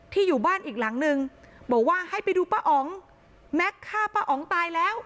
อยู่บ้านอีกหลังนึงบอกว่าให้ไปดูป้าอ๋องแม็กซ์ฆ่าป้าอ๋องตายแล้ว